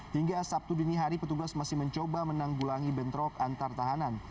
hingga sabtu dini hari petugas masih mencoba menanggulangi bentrok antar tahanan